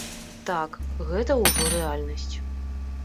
Так, гэта ўжо рэальнасць.